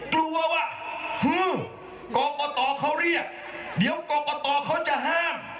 กลัวว่าคือกรกตเขาเรียกเดี๋ยวกรกตเขาจะห้าม